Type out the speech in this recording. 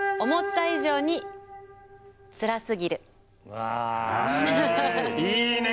うわいいね！